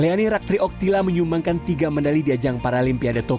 leoni ratri oktila menyumbangkan tiga medali di ajang paralimpiade tokyo dua ribu dua puluh